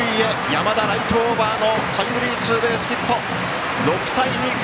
山田、ライトオーバーのタイムリーツーベースヒット６対２！